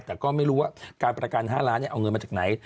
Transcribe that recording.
แต่ก็ไม่รู้ว่าการประกัน๕ล้านเอาเงินมาจากไหน